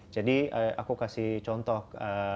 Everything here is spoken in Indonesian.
jadi aku kasih contoh